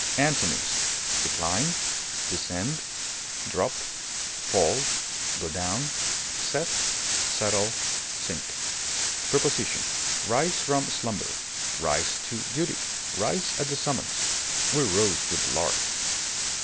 Antonyms: decline, descend, drop, fall, go down, set, settle, sink. Prepositions: Rise from slumber; rise to duty; rise at the summons; we rose with the lark.